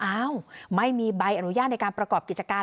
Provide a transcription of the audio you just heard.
อ้าวไม่มีใบอนุญาตในการประกอบกิจการ